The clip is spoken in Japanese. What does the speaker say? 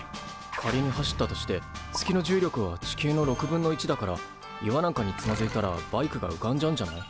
仮に走ったとして月の重力は地球のだから岩なんかにつまずいたらバイクが浮かんじゃうんじゃない？